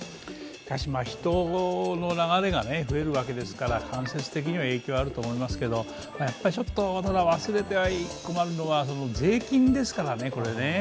しかし人の流れが増えるわけですから間接的には影響あると思いますけどただ、忘れては困るのは税金ですからね、これね。